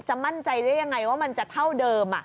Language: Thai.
มั่นใจได้ยังไงว่ามันจะเท่าเดิม